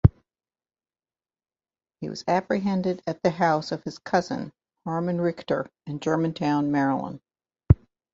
He was apprehended at the house of his cousin, Hartman Richter, in Germantown, Maryland.